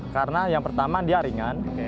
karena yang pertama dia ringan